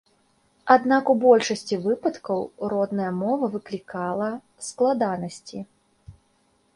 Аднак, у большасці выпадкаў родная мова выклікала складанасці.